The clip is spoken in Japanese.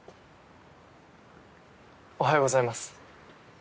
おはようございます。